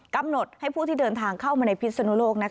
กำหนดให้ผู้ที่เดินทางเข้ามาในพิศนุโลก